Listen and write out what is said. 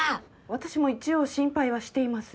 私も一応心配はしています。